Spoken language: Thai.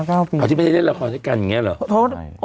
อ๋อที่ไม่ได้เล่นละครในการแบบนี้เหรอ